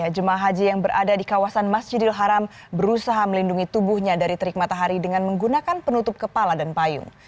jemaah haji yang berada di kawasan masjidil haram berusaha melindungi tubuhnya dari terik matahari dengan menggunakan penutup kepala dan payung